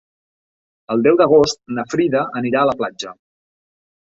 El deu d'agost na Frida anirà a la platja.